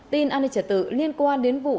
tin an ninh trả tự liên quan đến vụ